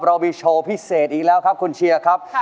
เรามีโชว์พิเศษอีกแล้วครับคุณเชียร์ครับ